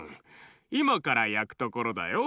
いまからやくところだよ。